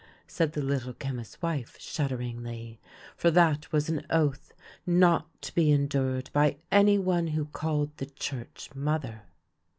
" said the Little Chemist's wife, shudderingly ; for that was an oath not to be en dured by any one who called the Church mother.